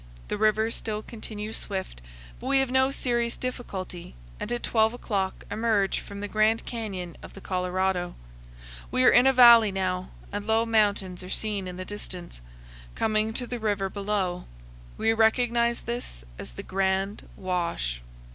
The river still continues swift, but we have no serious difficulty, and at twelve o'clock emerge from the Grand Canyon of the Colorado. We are in a valley now, and low mountains are seen in the distance, coming to the river below. We recognize this as the Grand Wash.